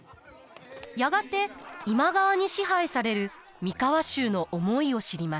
やがて今川に支配される三河衆の思いを知ります。